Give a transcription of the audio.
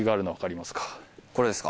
これですか？